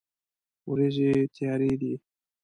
ورېځې تیارې دي